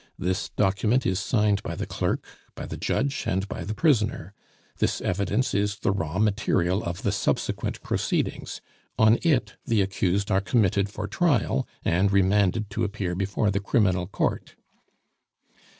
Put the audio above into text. This document is signed by the clerk, by the judge, and by the prisoner. This evidence is the raw material of the subsequent proceedings; on it the accused are committed for trial, and remanded to appear before the Criminal Court."